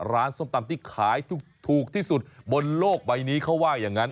ส้มตำที่ขายถูกที่สุดบนโลกใบนี้เขาว่าอย่างนั้น